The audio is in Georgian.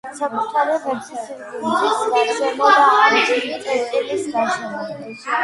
საკუთარი ღერძის ირგვლივ, მზის გარშემო და ამ წერტილის გარშემო.